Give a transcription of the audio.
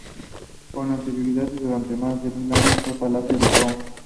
Con anterioridad y durante más de mil años, fue el Palacio de Fulham.